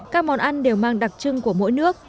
các món ăn đều mang đặc trưng của mỗi nước